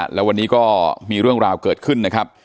แล้ววันนี้ก็มีเรื่องราวเกิดขึ้นนะครับ